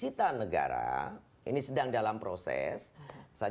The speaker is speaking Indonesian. untuk memastikan bahwa ke depan